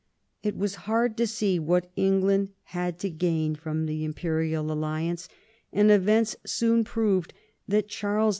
It was hard to see what England had to gain from the imperial alliance, and events soon proved that Charles V.